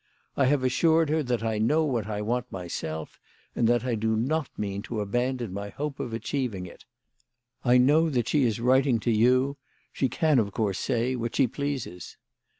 I have assured her that I know what I want myself, and that I do not mean to abandon my hope of achieving it. I know that she is writing to you. She can of course say what she pleases.